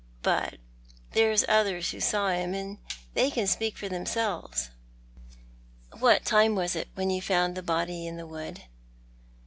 But there's others who saw him, and they can speak for theirselvcs." " What time was it when you found the body in the wood?